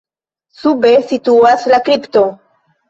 Sube situas la kripto.